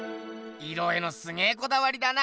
色へのすげこだわりだな。